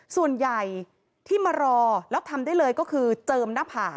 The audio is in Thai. ส่วนใหญ่ที่มารอแล้วทำได้เลยก็คือเจิมหน้าผาก